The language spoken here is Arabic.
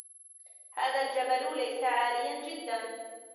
هذا الجبل ليس عاليا جدا